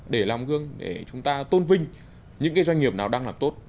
để làm gương để chúng ta tôn vinh những doanh nghiệp nào đang làm tốt